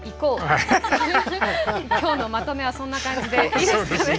今日のまとめはそんな感じでいいですかね。